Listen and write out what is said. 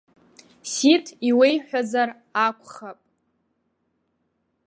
Сиҭ иуеиҳәазар акәхап.